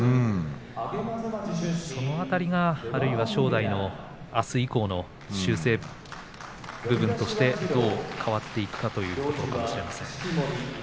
その辺りが正代のあす以降の修正の部分としてどう変わっていくかということかもしれません。